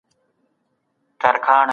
که څوک وغواړي هغه بریالی کیدای سي.